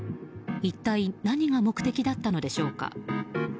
一体何が目的だったのでしょうか。